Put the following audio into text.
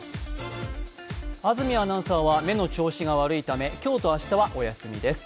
安住アナウンサーは目の調子が悪いため今日と明日はお休みです。